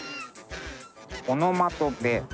オノマトペ。